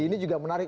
ini juga menarik